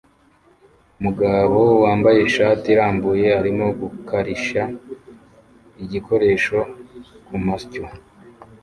Umugabo wambaye ishati irambuye arimo gukarisha igikoresho kumasyo